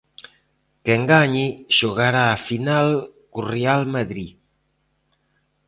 Quen gañe xogará a final co Real Madrid.